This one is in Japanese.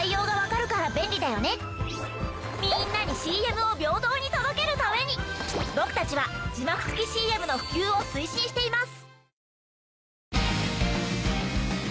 みんなにＣＭを平等に届けるために僕たちは字幕付きＣＭの普及を推進しています。